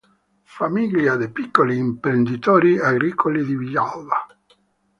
Famiglia di piccoli imprenditori agricoli di Villalba.